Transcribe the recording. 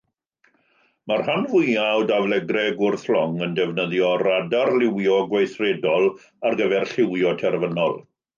Mae'r rhan fwyaf o daflegrau gwrth-long yn defnyddio radar-lywio gweithredol ar gyfer llywio terfynol.